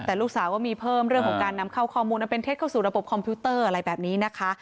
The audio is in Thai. แต่ลูกสาวก็มีเพิ่มเรื่องของการนำเข้าข้อมูลอันเป็นเท็จเข้าสู่ระบบคอมพิวเตอร์อะไรแบบนี้นะคะ